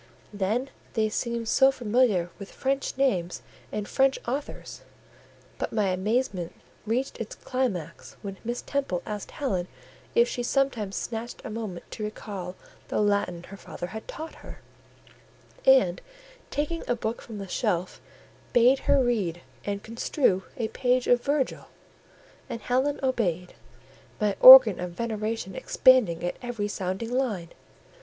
Then they seemed so familiar with French names and French authors: but my amazement reached its climax when Miss Temple asked Helen if she sometimes snatched a moment to recall the Latin her father had taught her, and taking a book from a shelf, bade her read and construe a page of Virgil; and Helen obeyed, my organ of veneration expanding at every sounding line.